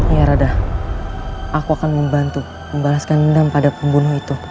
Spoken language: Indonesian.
ya rada aku akan membantu membalaskan dendam pada pembunuh itu